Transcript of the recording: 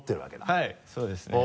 はいそうですね。